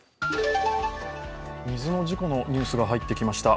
水の事故のニュースが入ってきました。